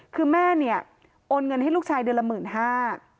คือแม่โอนเงินให้ลูกชายเดือนละ๑๕๐๐๐บาท